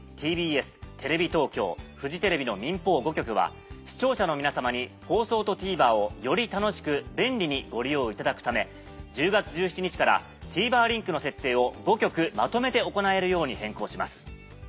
民法５局は視聴者の皆さまに放送とＴＶｅｒをより楽しく便利にご利用いただくため１０月１７日からＴＶｅｒリンクの設定を５局まとめて行えるように変更します。